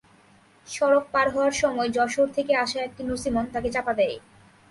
সড়ক পার হওয়ার সময় যশোর থেকে আসা একটি নছিমন তাকে চাপা দেয়।